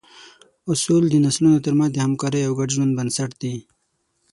اصول د نسلونو تر منځ د همکارۍ او ګډ ژوند بنسټ دي.